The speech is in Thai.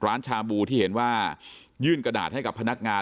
ชาบูที่เห็นว่ายื่นกระดาษให้กับพนักงาน